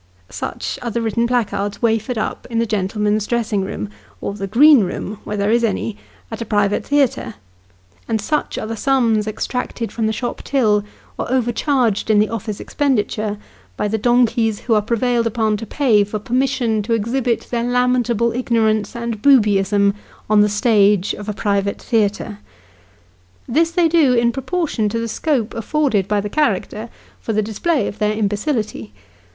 Such are the written placards wafered up in the gentlemen's dress ing room, in the green room (where there is any), at a private theatre ; and such are the sums extracted from the shop till, or overcharged in the office expenditure, by the donkeys who are prevailed upon to pay for permission to exhibit their lamentable ignorance and boobyism on the stage of a private theatre. This they do, in proportion to the scope afforded by the character for the display of their imbecility.